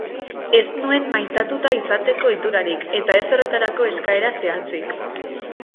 Ez nuen maitatua izateko ohiturarik, ez eta horretarako eskaera zehatzik.